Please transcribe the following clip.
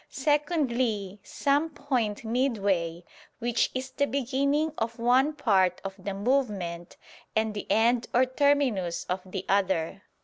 Secondly, some point midway, which is the beginning of one part of the movement, and the end or terminus of the other.